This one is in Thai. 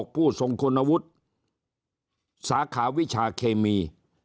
ผู้ทรงคุณวุฒิสาขาวิชาเคมี